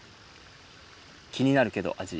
気になるけど、味。